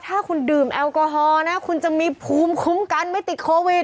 ถ้าคุณดื่มแอลกอฮอล์นะคุณจะมีภูมิคุ้มกันไม่ติดโควิด